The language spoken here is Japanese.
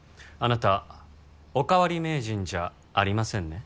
あなたおかわり名人じゃありませんね？